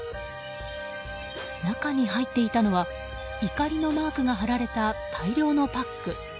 中に入っていたのはいかりのマークが貼られた大量のパック。